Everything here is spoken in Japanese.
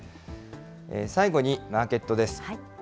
最後にマーケットです。